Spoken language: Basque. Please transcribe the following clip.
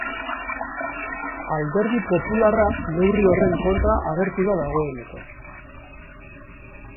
Alderdi popularra neurri horren kontra agertu da dagoeneko.